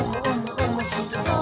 おもしろそう！」